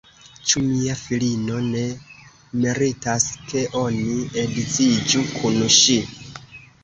Ĉu mia filino ne meritas, ke oni edziĝu kun ŝi?